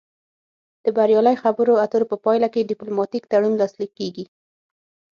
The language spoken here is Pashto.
د بریالۍ خبرو اترو په پایله کې ډیپلوماتیک تړون لاسلیک کیږي